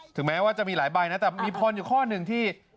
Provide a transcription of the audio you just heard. แม้ว่าจะมีหลายใบนะแต่มีพรอยู่ข้อหนึ่งที่